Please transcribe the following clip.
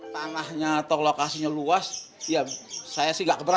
tanahnya atau lokasinya luas ya saya